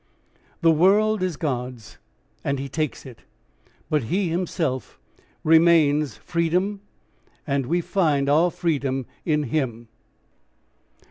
The world is God's and he takes it. But he himself remains freedom, and we find our freedom in him.